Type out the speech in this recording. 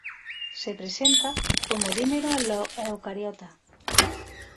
Se presenta como dímero en los eucariotas.